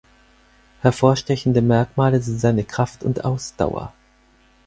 Hervorstechende Merkmale sind seine Kraft und Ausdauer.